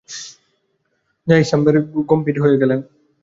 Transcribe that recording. জাহিদ সাহেব গম্ভীর হয়ে গেলেন।